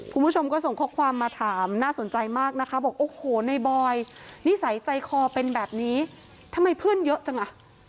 คุณผู้ชมก็ส่งข้อความมาถามน่าสนใจมากนะคะบอกโอ้โหในบอยนิสัยใจคอเป็นแบบนี้ทำไมเพื่อนเยอะจังอ่ะ